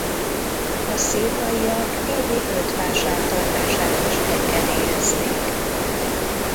A Szirmayak évi öt vásár tartását is engedélyezték.